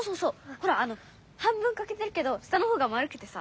ほら半分かけてるけど下のほうが丸くてさ。